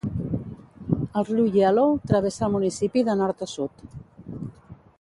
El riu Yellow travessa el municipi de nord a sud.